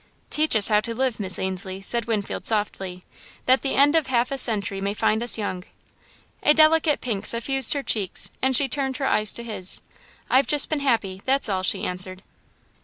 "Teach us how to live, Miss Ainslie," said Winfield, softly, "that the end of half a century may find us young." A delicate pink suffused her cheeks and she turned her eyes to his. "I've just been happy, that's all," she answered.